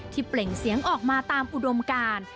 เปล่งเสียงออกมาตามอุดมการ